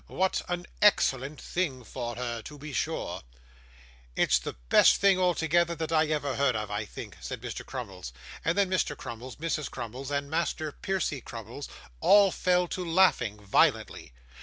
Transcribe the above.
'What an excellent thing for her, to be sure!' 'It's the best thing altogether, that I ever heard of, I think,' said Mr Crummles; and then Mr. Crummles, Mrs. Crummles, and Master Percy Crummles, all fell to laughing violently.